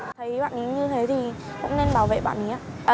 thấy bạn ấy như thế thì cũng nên bảo vệ bạn ấy ạ